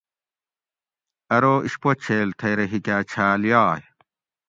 ارو اِشپو چھیل تھٔی رہ ھیکاۤ چھال یائ